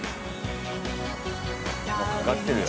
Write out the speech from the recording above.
もうかかってるよ。